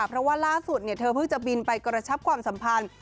เพราะว่าล่าสุดเธอเพิ่งจะบินไปกระชับความสัมพันธ์